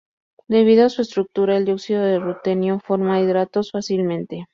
Debido a su estructura, el dióxido de rutenio forma hidratos fácilmente.